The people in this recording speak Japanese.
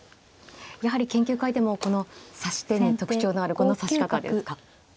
やはり研究会でもこの指し手に特徴のあるこの指し方ですか。